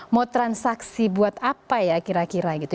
mau transaksi buat apa ya kira kira gitu